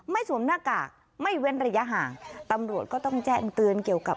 สวมหน้ากากไม่เว้นระยะห่างตำรวจก็ต้องแจ้งเตือนเกี่ยวกับ